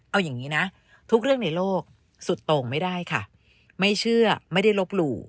เอาอย่างนี้นะทุกเรื่องในโลกสุดโต่งไม่ได้ค่ะไม่เชื่อไม่ได้ลบหลู่